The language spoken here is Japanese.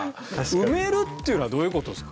埋めるっていうのはどういう事ですか？